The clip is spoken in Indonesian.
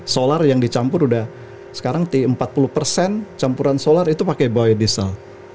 solar yang dicampur sudah sekarang empat puluh campuran solar itu pakai biodiesel